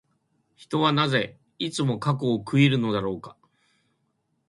人はなぜ、いつも過去を悔いるのだろうか。